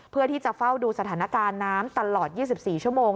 เพื่อที่จะเฝ้าดูสถานการณ์น้ำตลอด๒๔ชั่วโมง